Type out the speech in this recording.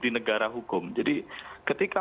di negara hukum jadi ketika